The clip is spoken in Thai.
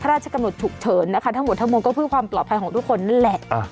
ราชกำหนดฉุกเฉินนะคะทั้งหมดทั้งมวลก็เพื่อความปลอดภัยของทุกคนนั่นแหละ